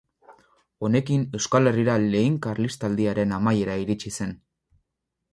Honekin Euskal Herrira Lehen Karlistaldiaren amaiera iritsi zen.